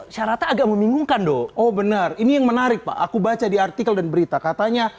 syaratnya agak membingungkan dong oh benar ini yang menarik pak aku baca di artikel dan berita katanya